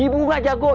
terus banyak om